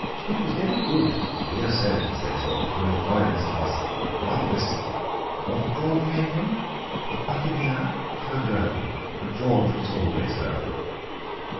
It was very good of dear Soames, they thought, to employ Mr. Bosinney, but rather risky. What had George named him? "The Buccaneer!" How droll! But George was always droll!